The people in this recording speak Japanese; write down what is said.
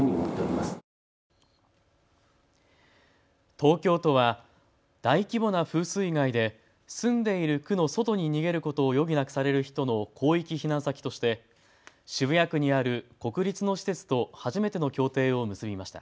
東京都は大規模な風水害で住んでいる区の外に逃げることを余儀なくされる人の広域避難先として渋谷区にある国立の施設と初めての協定を結びました。